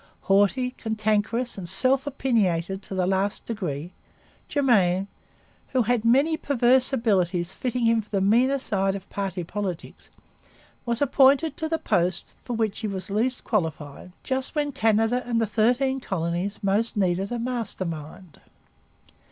Haughty, cantankerous, and self opinionated to the last degree, Germain, who had many perverse abilities fitting him for the meaner side of party politics, was appointed to the post for which he was least qualified just when Canada and the Thirteen Colonies most needed a master mind.